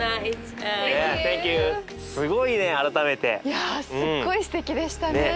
いやすっごいすてきでしたね。